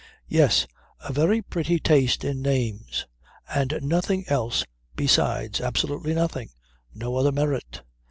Yes, a very pretty taste in names; and nothing else besides absolutely nothing no other merit.